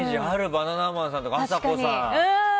バナナマンさんとかあさこさん。